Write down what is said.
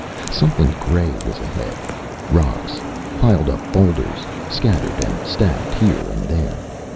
Something grey was ahead. Rocks, piled up boulders, scattered and stacked here and there.